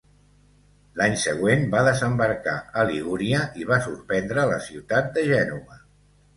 L'any següent va desembarcar a Ligúria i va sorprendre la ciutat de Gènova.